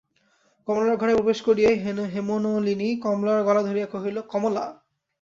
কমলার ঘরে প্রবেশ করিয়াই হেমনলিনী কমলার গলা ধরিয়া কহিল, কমলা!